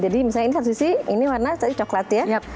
jadi misalnya ini satu sisi ini warna coklat ya